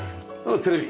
テレビ。